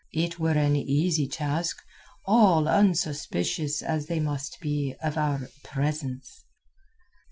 It were an easy task, all unsuspicious as they must be of our presence."